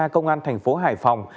công an thành phố hải phòng